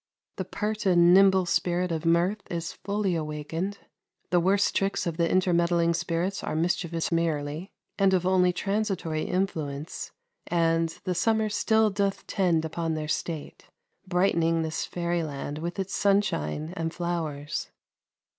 The pert and nimble spirit of mirth is fully awakened; the worst tricks of the intermeddling spirits are mischievous merely, and of only transitory influence, and "the summer still doth tend upon their state," brightening this fairyland with its sunshine and flowers.